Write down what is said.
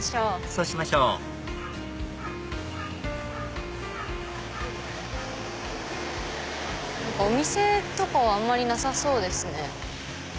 そうしましょうお店とかはあんまりなさそうですね。